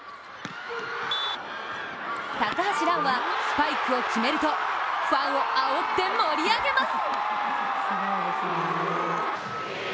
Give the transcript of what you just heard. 高橋藍はスパイクを決めるとファンをあおって盛り上げます。